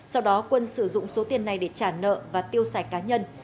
sau đó quân sử dụng số tiền này để trả nợ và tiêu xài cá nhân